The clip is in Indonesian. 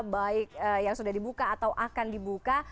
baik yang sudah dibuka atau akan dibuka